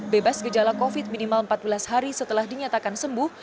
bebas gejala covid minimal empat belas hari setelah dinyatakan sembuh